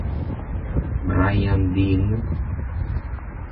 Brian Deane